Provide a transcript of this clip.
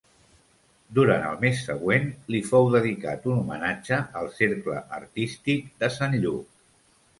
Durant el mes següent li fou dedicat un homenatge al Cercle Artístic de Sant Lluc.